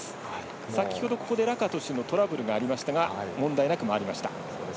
先ほど、ここでラカトシュのトラブルがありましたが問題なく回りました。